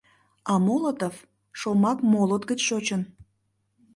А Молотов шомак молот гыч шочын.